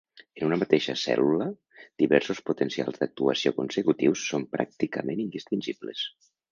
En una mateixa cèl·lula, diversos potencials d'acció consecutius són pràcticament indistingibles.